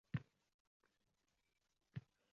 “Men seni yaxshi ko‘raman